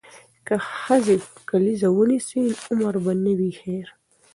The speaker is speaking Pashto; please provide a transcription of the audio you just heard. که ښځې کلیزه ونیسي نو عمر به نه وي هیر.